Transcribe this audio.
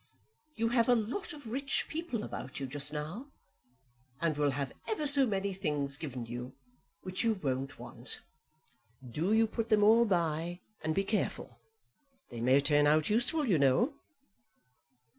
You have a lot of rich people about you just now, and will have ever so many things given you which you won't want. Do you put them all by, and be careful. They may turn out useful, you know."